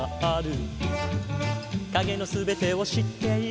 「影の全てを知っている」